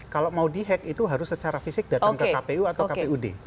kalau mau di hack itu harus secara fisik datang ke kpu atau kpud